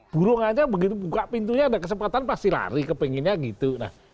burung aja begitu buka pintunya ada kesempatan pasti lari kepinginnya gitu